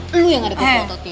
lu yang ada dipotokin